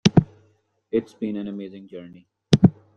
It's been an amazing journey.